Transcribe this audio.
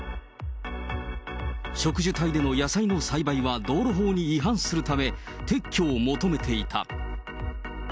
植樹帯での野菜の栽培は道路法に違反するため、撤去を求めていた。